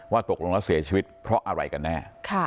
ตกลงแล้วเสียชีวิตเพราะอะไรกันแน่